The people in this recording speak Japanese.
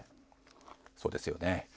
そうですよね。